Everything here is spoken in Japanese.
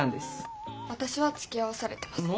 私はつきあわされてます。